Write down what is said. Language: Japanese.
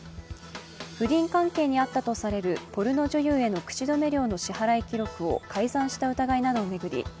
不倫関係にあったとされるポルノ女優への口止め料の支払い記録を改ざんした疑いなどを巡り